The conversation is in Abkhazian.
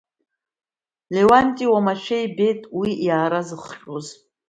Леуанти уамашәа ибеит уи иаара зыхҟьоз.